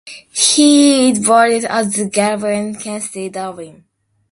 He is buried at Glasnevin cemetery, Dublin.